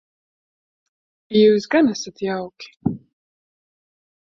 Jūs gan esat jauki.